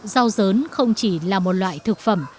rau dớn không chỉ là một loại thực phẩm